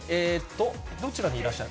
どちらにいらっしゃる？